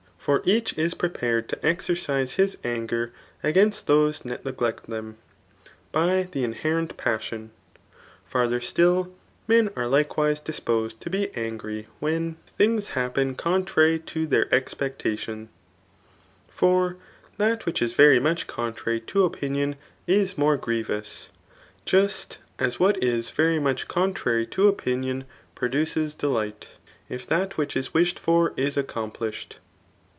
For each is prepared to exevcise his anger against thosf tl^ negl^t them, by the inherent passicMu Farther still, man are Iftaewise disposed to be angry when, 104r T9B AftT OF BOOK tU things happen contrary to their expectatkai. For diat v^ch is very much contrary to opinion is more gnevous, just as what is very much contrary to opinion produces delight, if that which is wished for is accomplished.